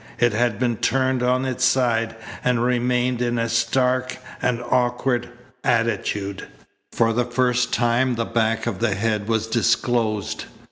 It had been turned on its side, and remained in a stark and awkward attitude. For the first time the back of the head was disclosed.